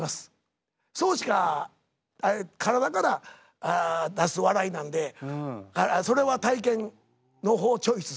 そうしか体から出す笑いなんでそれは体験の方をチョイスする。